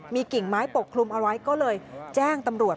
มีกิ่งไม้ปกคลุมเอาไว้ก็เลยแจ้งตำรวจ